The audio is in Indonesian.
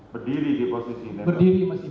berdiri di posisi